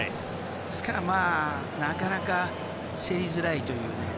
ですからなかなか競りづらいというね。